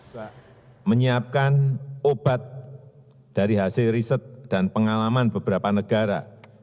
kita menyiapkan obat dari hasil riset dan pengalaman beberapa negara